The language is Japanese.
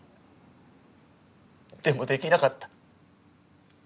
でもできなかった。